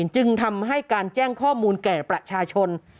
จึงทำให้การแจ้งข้อมูลแก่ประชาชน